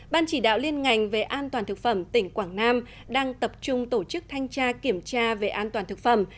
ban chỉ đạo liên ngành về an toàn thực phẩm tỉnh quảng nam đang tập trung tổ chức thanh tra kiểm tra về an toàn thực phẩm